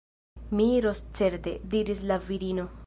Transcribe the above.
Mi iros certe, diris la virino.